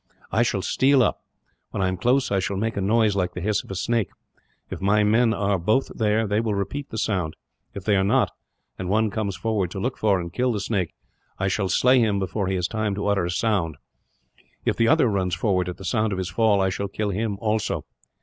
I shall steal up. When I am close, I shall make a noise like the hiss of a snake. If my men are both there, they will repeat the sound. If they are not, and one comes forward to look for and kill the snake, I shall slay him before he has time to utter a sound. If the other runs forward at the sound of his fall, I shall kill him, also.